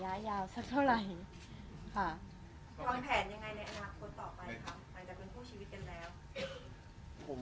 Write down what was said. ความแผนยังไงในอนาคตต่อไปครับอาจจะเป็นผู้ชีวิตกันแล้ว